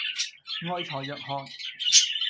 愛才若渴